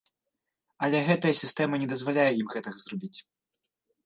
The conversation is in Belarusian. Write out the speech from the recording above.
Але гэтая сістэма не дазваляе ім гэтага зрабіць.